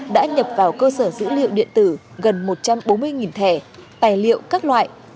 đã nhập vào cơ sở dữ liệu điện tử gần một trăm bốn mươi thẻ tài liệu các loại